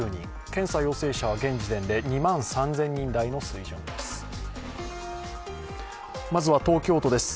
検査陽性者は現時点で２万３０００人台の水準です。